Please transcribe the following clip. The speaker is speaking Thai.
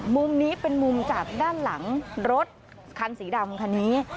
มุมนี้เป็นมุมจากด้านหลังรถคันสีดำคันนี้